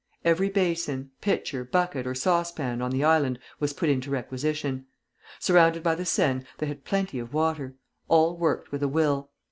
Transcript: Every basin, pitcher, bucket, or saucepan on the island was put into requisition. Surrounded by the Seine, they had plenty of water. All worked with a will.